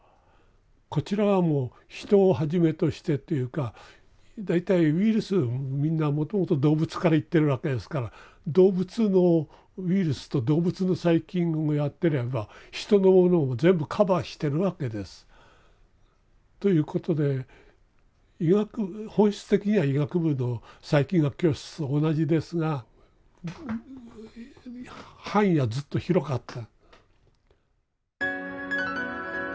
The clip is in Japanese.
こちらはもう人をはじめとしてっていうか大体ウイルスみんなもともと動物からいってるわけですから動物のウイルスと動物の細菌もやってりゃまあ人のものも全部カバーしてるわけです。ということで本質的には医学部の細菌学教室と同じですが範囲はずっと広かった。